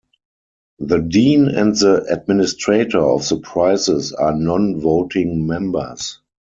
The dean and the administrator of the prizes are non-voting members.